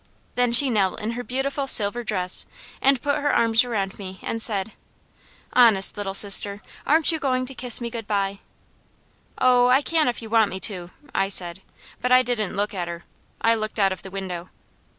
Then she knelt in her beautiful silver dress, and put her arms around me and said: "Honest, Little Sister, aren't you going to kiss me goodbye?" "Oh I can if you want me to," I said, but I didn't look at her; I looked out of the window.